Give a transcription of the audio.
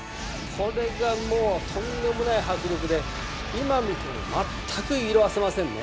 これがもうとんでもない迫力で今見ても全く色あせませんね。